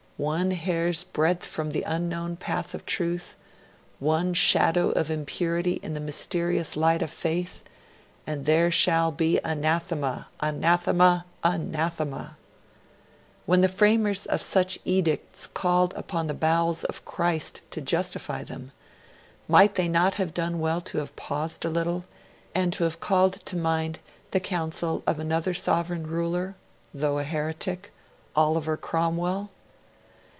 One hair's breadth from the unknown path of truth, one shadow of impurity in the mysterious light of faith, and there shall be anathema! anathema! anathema! When the framers of such edicts called upon the bowels of Christ to justify them, might they not have done well to have paused a little, and to have called to mind the counsel of another sovereign ruler, though a heretic Oliver Cromwell?